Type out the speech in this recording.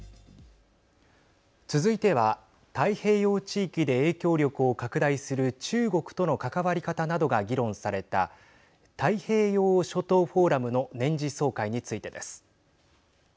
続いては太平洋地域で影響力を拡大する中国との関わり方などが議論された太平洋諸島フォーラムの年次総会についてです。